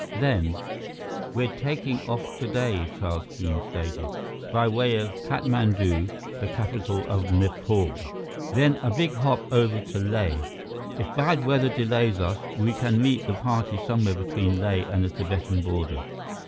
Then: "We're taking off today," Charles Keene stated, "by way of Katmandu, the capital of Nepal. Then a big hop over to Leh. If bad weather delays us, we can meet the party somewhere between Leh and the Tibetan border.